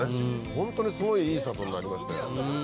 ホントにすごいいい里になりましたよ。